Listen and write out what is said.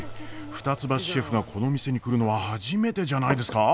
二ツ橋シェフがこの店に来るのは初めてじゃないですか？